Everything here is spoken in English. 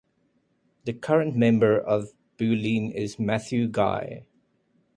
The current member for Bulleen is Matthew Guy.